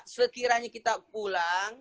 sekiranya kita pulang